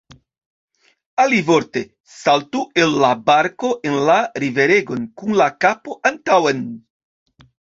Alivorte: saltu el la barko en la riveregon, kun la kapo antaŭen!